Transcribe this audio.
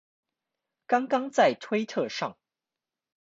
剛剛在推特上